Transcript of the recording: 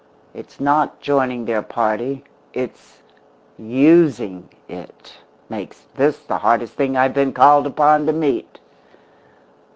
It's not joining their party it's using it makes this the hardest thing I've been called upon to meet."